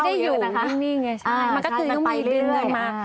มันเงินไงใช่มันก็คือน้องมีดื่มอยู่มา